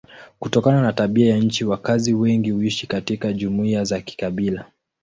Kutokana na tabia ya nchi wakazi wengi huishi katika jumuiya za kikabila.